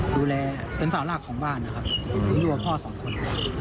ดูแลเป็นสาวหลักของบ้านนะครับอยู่กับพ่อสองคน